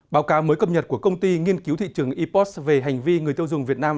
báo cáo mới cập nhật của công ty nghiên cứu thị trường epost về hành vi người tiêu dùng việt nam